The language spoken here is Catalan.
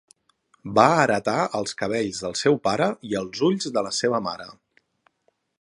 Va heretar els cabells del seu pare i els ulls de la seva mare.